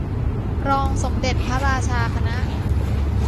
รองสมเด็จพระราชาคณะ